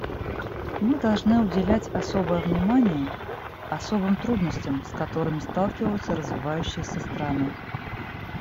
Мы должны уделять особое внимание особым трудностям, с которыми сталкиваются развивающиеся страны.